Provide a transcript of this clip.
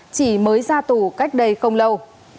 chỉ mới ra tù cách đây không lâu